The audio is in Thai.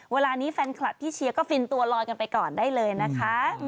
เวลานี้แฟนคลับที่เชียร์ก็ฟินตัวลอยกันไปก่อนได้เลยนะคะ